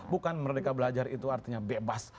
bukan merdeka belajar itu artinya bebas